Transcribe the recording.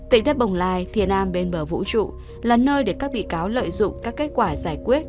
tỉnh thất bồng lai thiền an bên bờ vũ trụ là nơi để các bị cáo lợi dụng các kết quả giải quyết